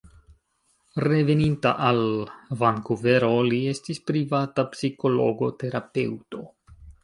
Reveninta al Vankuvero li estis privata psikologo-terapeuto.